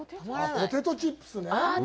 ポテトチップスね。